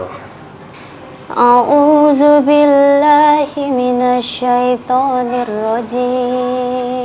i auzubillahi minash shaitanir rajeem